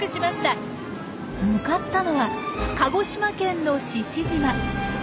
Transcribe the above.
向かったのは鹿児島県の獅子島。